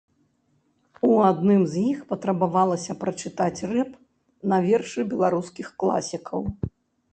У адным з іх патрабавалася прачытаць рэп на вершы беларускіх класікаў.